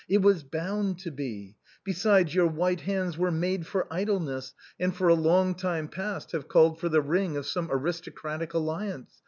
It was bound to be ; besides, your white hands were made for idle ness, and for a long time past have called for the ring of some aristocratic alliance.